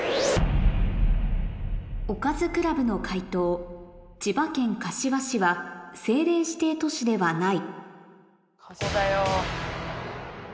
おかずクラブの解答「千葉県柏市は政令指定都市ではない」